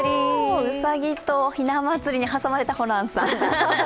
ウサギとひな祭りに挟まれたホランさん。